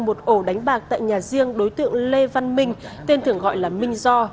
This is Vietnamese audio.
một ổ đánh bạc tại nhà riêng đối tượng lê văn minh tên thường gọi là minh do